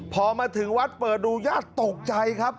พอมาถึงวัดเปิดดูญาติตกใจครับ